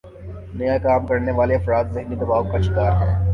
نیا کام کرنے والےافراد ذہنی دباؤ کا شکار